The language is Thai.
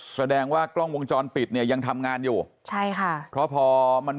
แสดงว่ากล้องวงจรปิดเนี่ยยังทำงานอยู่ใช่ค่ะเพราะพอมัน